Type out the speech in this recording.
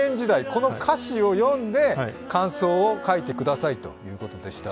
この歌詞を読んで、感想を書いてくださいということでした。